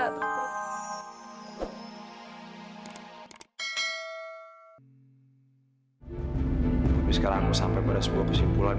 tapi sekarang sampai pada sebuah kesimpulan